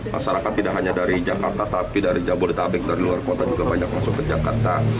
masyarakat tidak hanya dari jakarta tapi dari jabodetabek dari luar kota juga banyak masuk ke jakarta